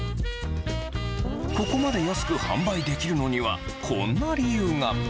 ここまで安く販売できるのには、こんな理由が。